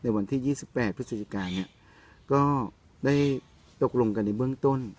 วันที่๒๘พฤศจิกาเนี่ยก็ได้ตกลงกันในเบื้องต้น